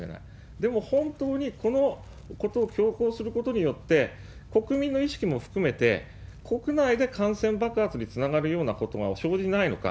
でも、本当にこのことを強行することによって、国民の意識も含めて、国内で感染爆発につながるようなことが生じないのか。